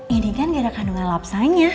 ini kan gara gara kandungan lapsanya